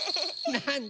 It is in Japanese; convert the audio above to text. なんだ？